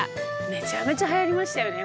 めちゃめちゃはやりましたよね